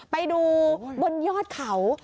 ไปดูบนยอดเขา